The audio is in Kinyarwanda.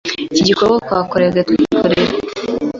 iki gikorwe twekorege twikorere